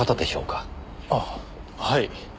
ああはい。